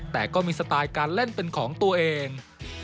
แต่ก็มีสไตล์การเล่นเป็นของตัวเอง